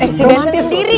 isi bensin sendiri